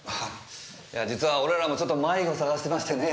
実は俺らもちょっと迷子捜してましてね。